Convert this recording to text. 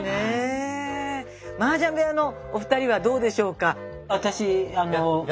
マージャン部屋のお二人はどうでしょうか？